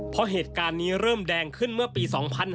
เพราะเหตุการณ์นี้เริ่มแดงขึ้นเมื่อปี๒๕๕๙